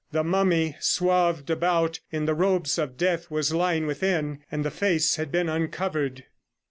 The mummy swathed about in the robes of death was lying within, and the face had been uncovered.